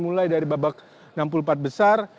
mulai dari babak enam puluh empat besar